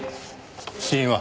死因は？